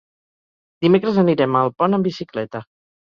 Dimecres anirem a Alpont amb bicicleta.